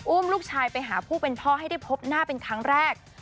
ลูกชายไปหาผู้เป็นพ่อให้ได้พบหน้าเป็นครั้งแรก